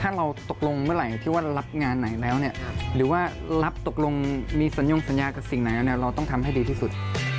ถ้าเราตกลงเมื่อไหร่ที่ว่ารับงานไหนแล้วเนี่ยหรือว่ารับตกลงมีสัญญงสัญญากับสิ่งไหนแล้วเนี่ยเราต้องทำให้ดีที่สุด